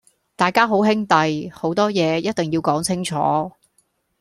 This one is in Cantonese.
大家好兄弟，好多嘢一定要講清楚